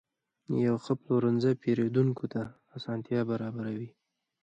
یو ښه پلورنځی پیرودونکو ته اسانتیا برابروي.